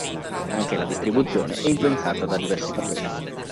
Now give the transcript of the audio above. Anche la distribuzione è influenzata da diversi fattori.